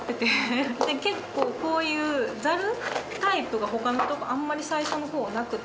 結構こういうザルタイプが他のとこあんまり最初の方なくて。